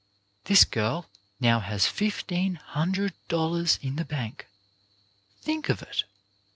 This girl now has fifteen hundred dollars in the bank. Think of it